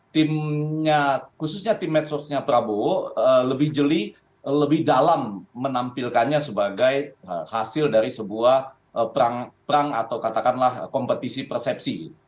timnya khususnya tim medsosnya prabowo lebih jeli lebih dalam menampilkannya sebagai hasil dari sebuah perang atau katakanlah kompetisi persepsi